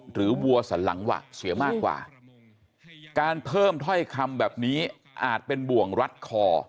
วัวสันหลังหวะเสียมากกว่าการเพิ่มถ้อยคำแบบนี้อาจเป็นบ่วงรัดคอ